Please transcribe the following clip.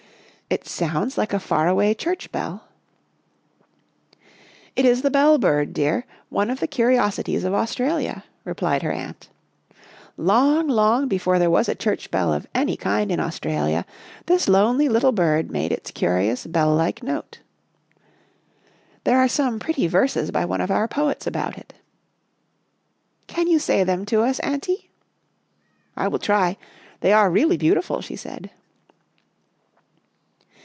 " It sounds like a far away church bell." " It is the bell bird, dear, one of the curiosi ties of Australia," replied her Aunt. " Long, 26 Our Little Australian Cousin long before there was a church bell of any kind in Australia, this little, lonely bird made its curi ous bell like note. There are some pretty verses by one of our poets about it." " Can you say them to us, Aunty?" " I will try, — they are really beautiful," she said.